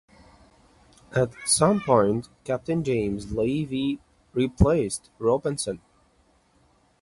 At some point Captain James Leavy replaced Robinson.